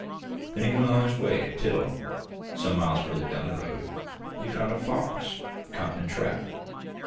Then he went on his way till, some miles further down the road, he found a fox caught in a trap.